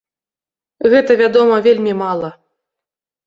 Гэта, вядома, вельмі мала.